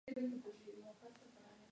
Gorgoroth no tienen nada que demostrar".